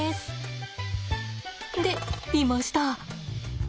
でいました。